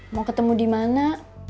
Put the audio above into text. mau ketemu dimana